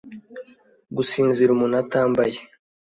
Gusinzira umuntu atambaye